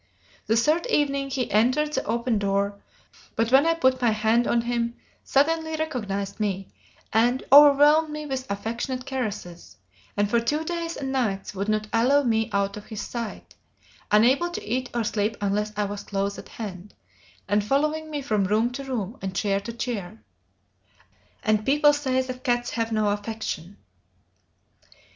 The third evening he entered the open door, looked wildly about for a moment, but when I put my hand on him suddenly recognized me and overwhelmed me with affectionate caresses, and for two days and nights would not allow me out of his sight, unable to eat or sleep unless I was close at hand, and following me from room to room and chair to chair. And people say that cats have no affection!"